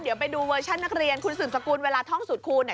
เดี๋ยวไปดูเวอร์ชันนักเรียนคุณสุนสกุลเวลาท่องสุดคูณ